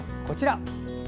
こちら。